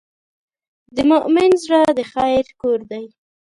د مؤمن زړه د خیر کور دی.